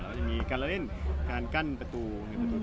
แล้วก็จะมีการเล่นการกั้นประตู